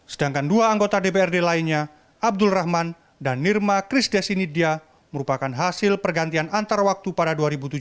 sedangkan dua anggota dprd lainnya abdul rahman dan nirma krisdesinidia merupakan hasil pergantian antarwaktu pada dua ribu tujuh belas